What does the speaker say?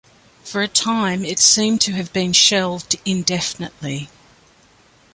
For a time, it seemed to have been shelved indefinitely.